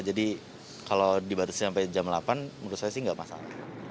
jadi kalau dibatasi sampai jam delapan menurut saya sih nggak masalah